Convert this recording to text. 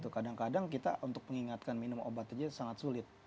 kadang kadang kita untuk mengingatkan minum obat saja sangat sulit